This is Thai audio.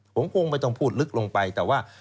ผมคงไม่ต้องพูดลึกลงไปแต่ว่า